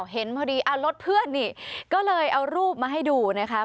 เห็นพอดีเอารถเพื่อนนี่ก็เลยเอารูปมาให้ดูนะคะ